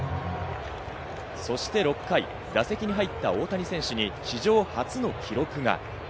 そして６回、打席に入った大谷選手に史上初の記録が。